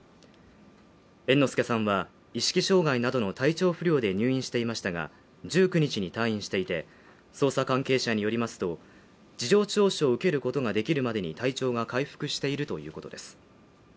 猿之助さんは、意識障害などの体調不良で入院していましたが、１９日に退院していて捜査関係者によりますと、事情聴取を受けることができるまでに体調が回復しているということです。